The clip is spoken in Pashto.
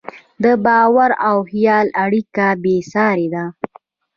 د باور او خیال اړیکه بېساري ده.